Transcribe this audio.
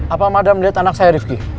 apa mada melihat anak saya rifki